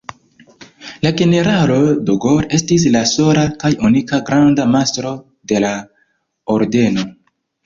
La generalo De Gaulle estis la sola kaj unika granda mastro de la ordeno.